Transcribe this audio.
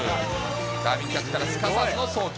ダイビングキャッチからのすかさずの送球。